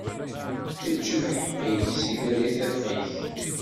Ečč lḥeqq-ik, sider i tiṭ-ik.